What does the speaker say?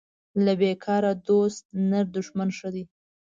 له بیکاره دوست نر دښمن ښه دی